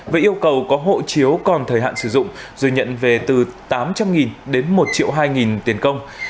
với yêu cầu có hộ chiếu còn thời hạn sử dụng rồi nhận về từ tám trăm linh đến một hai trăm linh tiền công